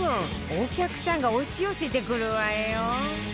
お客さんが押し寄せてくるわよ